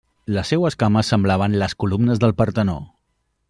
Les seues cames semblaven les columnes del Partenó.